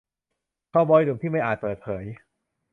คาวบอยหนุ่มที่ไม่อาจเปิดเผย